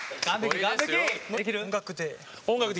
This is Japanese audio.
音楽で？